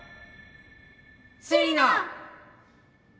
セリナ！